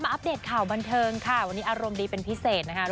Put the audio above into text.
อัปเดตข่าวบันเทิงค่ะวันนี้อารมณ์ดีเป็นพิเศษนะคะ